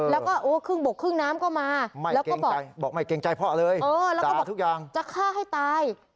แล้วก็โอ้โหครึ่งบกครึ่งน้ำก็มาแล้วก็บอกจะฆ่าให้ตาย